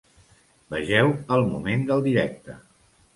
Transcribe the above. Vegeu el moment del directe.